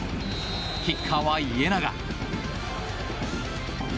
キッカーは家長。